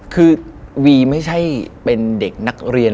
คือวีไม่ใช่เป็นเด็กนักเรียน